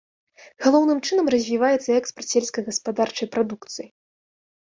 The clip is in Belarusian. Галоўным чынам развіваецца экспарт сельскагаспадарчай прадукцыі.